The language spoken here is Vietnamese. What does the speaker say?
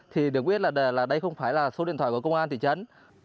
thì được biết là đây không phải là số điện thoại của công an thị trấn